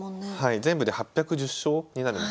全部で８１０勝になるんですかね。